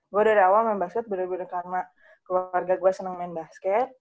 gue dari awal main basket bener bener karena keluarga gue senang main basket